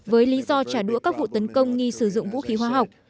với lý do trả đũa các vụ tấn công nghi sử dụng vũ khí hóa học